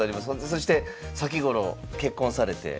そして先頃結婚されて。